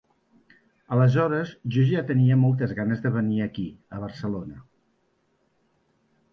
Aleshores jo ja tenia moltes ganes de venir aquí, a Barcelona.